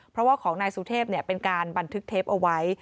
เพราะว่าของนายสุเทพเป็นการบันทึกเทปเอาไว้